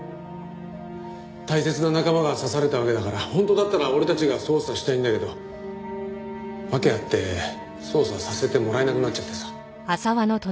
大切な仲間が刺されたわけだから本当だったら俺たちが捜査したいんだけど訳あって捜査させてもらえなくなっちゃってさ。